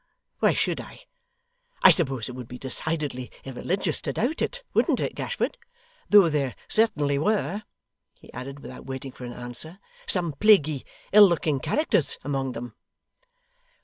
Why should I? I suppose it would be decidedly irreligious to doubt it wouldn't it, Gashford? Though there certainly were,' he added, without waiting for an answer, 'some plaguy ill looking characters among them.